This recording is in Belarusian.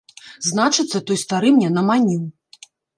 Значыцца, той стары мне наманіў.